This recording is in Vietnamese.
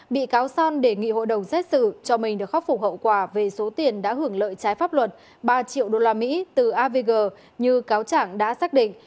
bị cáo son đề nghị hội đồng xét xử cho mình được khắc phục hậu quả về số tiền đã hưởng lợi trái pháp luật ba triệu usd từ avg như cáo chẳng đã xác định